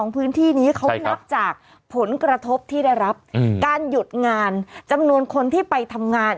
พื้นที่นี้เขานับจากผลกระทบที่ได้รับการหยุดงานจำนวนคนที่ไปทำงาน